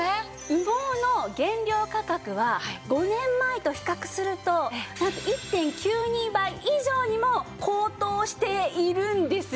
羽毛の原料価格は５年前と比較するとなんと１．９２倍以上にも高騰しているんですよ。